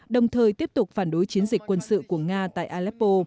đồng thời tiếp tục phản đối chiến dịch quân sự của nga tại aleppo